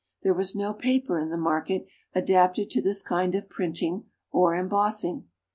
There was no paper in the market adapted to this kind of printing or embossing.